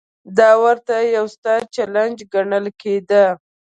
دا ورته یو ستر چلنج ګڼل کېده.